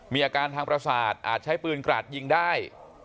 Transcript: มีอาการทางประสาทอาจใช้ปืนกราดยิงได้